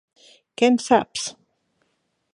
Què en saps?